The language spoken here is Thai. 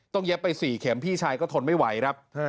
เย็บไป๔เข็มพี่ชายก็ทนไม่ไหวครับ